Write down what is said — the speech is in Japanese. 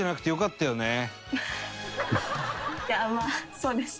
いやまあそうですね。